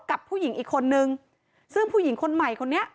กับผู้หญิงอีกคนนึงซึ่งผู้หญิงคนใหม่คนนี้